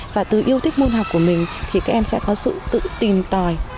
và từ yêu thích môn học của mình thì các em sẽ có sự tự tìm tòi